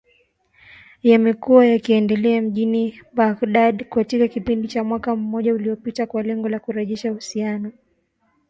Yamekuwa yakiendelea mjini Baghdad katika kipindi cha mwaka mmoja uliopita kwa lengo la kurejesha uhusiano wa kidiplomasia